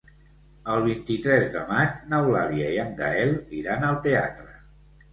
El vint-i-tres de maig n'Eulàlia i en Gaël iran al teatre.